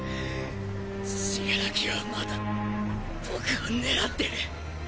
死柄木はまだ僕を狙ってる！